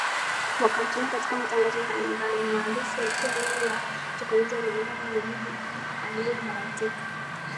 wakamtumia katika matangazo mbali mbali maarufu likiwa lile la kutokemeza Malaria Ni bibi aliyebahatika